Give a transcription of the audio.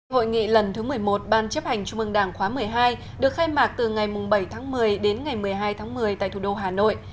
hội nghị lần thứ một mươi một ban chấp hành trung mương đảng khóa một mươi hai được khai mạc từ ngày bảy tháng một mươi đến ngày một mươi hai tháng một mươi tại thủ đô hà nội